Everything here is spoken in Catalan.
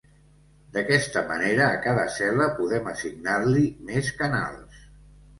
D'aquesta manera a cada cel·la podem assignar-li més canals.